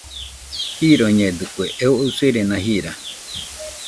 Jironidɨkue, eo usirena jira.